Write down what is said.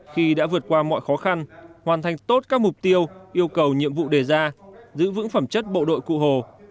khi đã vượt qua mọi khó khăn hoàn thành tốt các mục tiêu yêu cầu nhiệm vụ đề ra giữ vững phẩm chất bộ đội cụ hồ